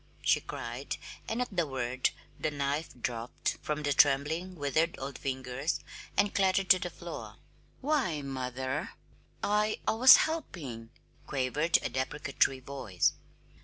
she cried; and at the word the knife dropped from the trembling, withered old fingers and clattered to the floor. "Why, mother!" "I I was helping," quavered a deprecatory voice.